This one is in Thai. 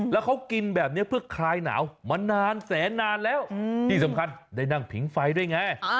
แล้วเขากินแบบนี้เพื่อคลายหนาวมานานแสนนานแล้วที่สำคัญได้นั่งผิงไฟด้วยไง